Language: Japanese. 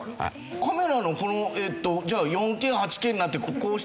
カメラのこのじゃあ４Ｋ８Ｋになってこうした時に。